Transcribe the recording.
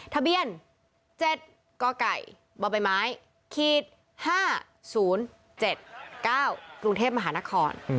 ทะเบียน๗กบมขีด๕๐๗๙กรุงเทพฯมหานคร